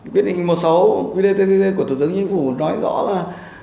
quyết định một sáu của thủ tướng chính phủ nói rõ là